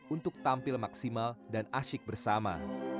untuk tampil maksimal dan asyik bersama